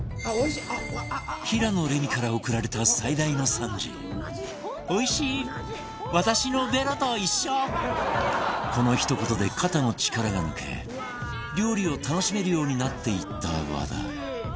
平野レミから送られた最大の賛辞このひと言で肩の力が抜け料理を楽しめるようになっていった和田